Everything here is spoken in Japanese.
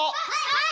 はい！